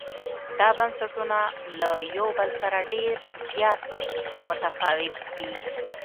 دا بنسټونه له یو بل سره ډېر زیات متفاوت دي.